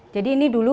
jadi ini dulu